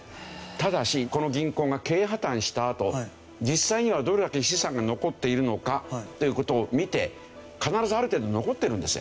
ただしこの銀行が経営破たんしたあと実際にはどれだけ資産が残っているのかという事を見て必ずある程度残ってるんですよ。